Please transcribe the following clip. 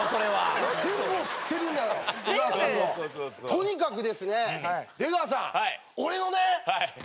とにかくですね出川さん。